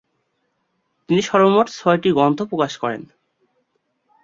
তিনি সর্বমোট ছয়টি গ্রন্থ প্রকাশ করেন।